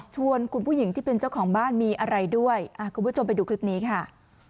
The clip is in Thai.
ชวนคุณผู้หญิงที่เป็นเจ้าของบ้านมีอะไรด้วยคุณผู้ชมไปดูคลิปนี้ค่ะ